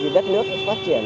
đất nước phát triển